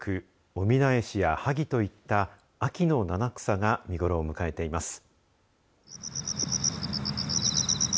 オミナエシやハギといった秋の七草が見頃を迎えています。